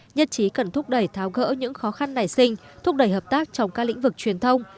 nhất trí cần thúc đẩy tháo gỡ những khó khăn nảy sinh thúc đẩy hợp tác trong các lĩnh vực truyền thông